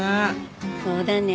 そうだね。